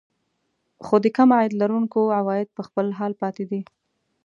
خو د کم عاید لرونکو عوايد په خپل حال پاتې دي